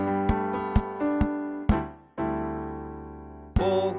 「ぼく」